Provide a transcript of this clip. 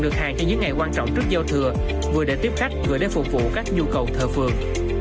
cho những ngày quan trọng trước giao thừa vừa để tiếp khách vừa để phục vụ các nhu cầu thợ phường